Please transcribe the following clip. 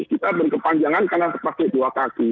kita berkepanjangan karena pakai dua kaki